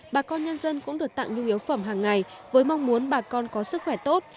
bà con nhân dân cũng được tặng nhu yếu phẩm hàng ngày với mong muốn bà con có sức khỏe tốt